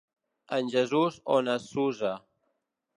En Jesús o na Susa.